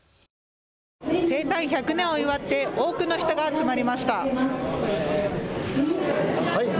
生誕１００年を祝って多くの人が集まりました。